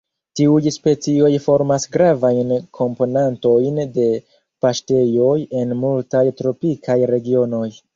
Tiuj specioj formas gravajn komponantojn de paŝtejoj en multaj tropikaj regionoj.